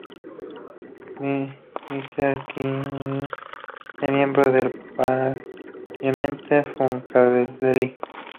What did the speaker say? McKnight es miembro del Parliament-Funkadelic.